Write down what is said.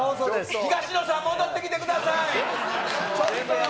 東野さん、戻ってきてください。